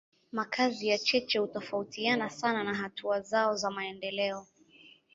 Makazi ya cheche hutofautiana sana na hatua zao za maendeleo.